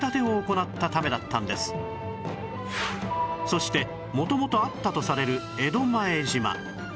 そして元々あったとされる江戸前島